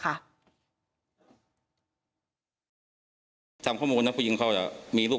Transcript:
ทำข้อมูลนักภ่าพูดกับผู้หญิงของคุณอื่นค่ะ